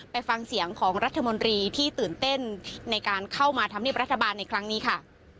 ไปฟังเสียงของรัฐมนตรีที่ตื่นเต้นในการเข้ามาธรรมเนียบรัฐบาลในครั้งนี้ค่ะ